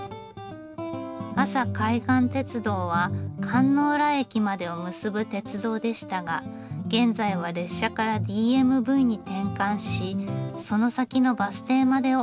阿佐海岸鉄道は甲浦駅までを結ぶ鉄道でしたが現在は列車からＤＭＶに転換しその先のバス停までを結んでいます。